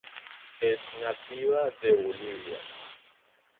Es nativa de Bolivia.